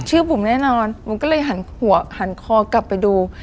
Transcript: บุ๋มแน่นอนบุ๋มก็เลยหันหัวหันคอกลับไปดู